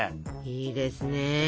いいですね。